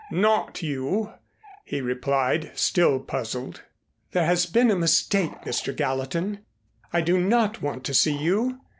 Not you " he replied, still puzzled. "There has been a mistake, Mr. Gallatin. I do not want to see you.